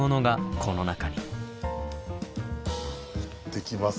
行ってきます。